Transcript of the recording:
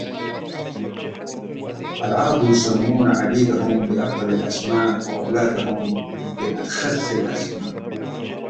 نسخ الجد مقال اللعب